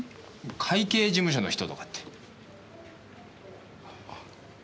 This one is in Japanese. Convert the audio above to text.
会計事務所の人とかって。